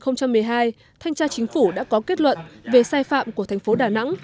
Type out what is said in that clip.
năm hai nghìn một mươi hai thanh tra chính phủ đã có kết luận về sai phạm của thành phố đà nẵng